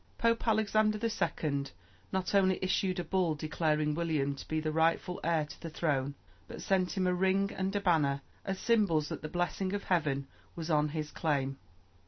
Pope Alexander II., not only issued a bull declaring William to be the rightful heir to the throne, but sent him a ring and a banner as symbols that the blessing of heaven was on his claim.